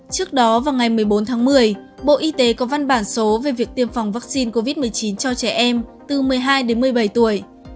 trước đó vào ngày một mươi bốn tháng một mươi bộ y tế có văn bản số về việc tiêm phòng vaccine covid một mươi chín cho trẻ em từ một mươi hai đến một mươi bảy tuổi